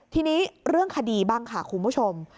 ทีนี้เรื่องคดีบ้างค่ะคุณผู้ชม